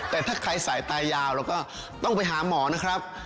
แต่ถ้าใครสายตายาวเราก็ต้องไปหาหมอนะครับ